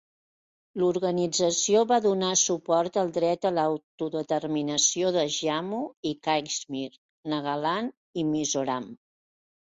L'organització va donar suport al dret a l'autodeterminació de Jammu i Caixmir, Nagaland i Mizoram.